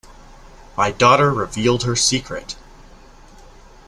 My daughter revealed her secret.